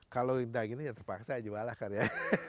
kalau gini gini ya terpaksa jual lah karya